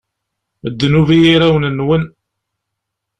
Ddnub i yirawen-nwen!